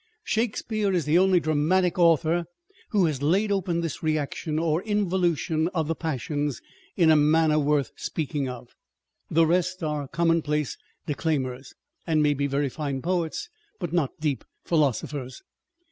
Shakespeare is the only dramatic author who has laid open this reaction or involution of the passions in a manner worth speaking of. The rest are commonplace declaimers, and may be very fine poets, but not deep philosophers.